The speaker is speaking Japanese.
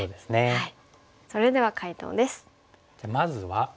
はい。